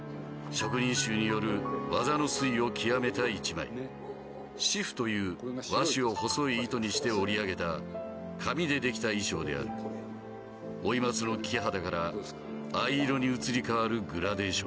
職人衆による技の粋を極めた一枚紙布という和紙を細い糸にして織り上げた紙で出来た衣装である老松の木肌から藍色に移り変わるグラデーション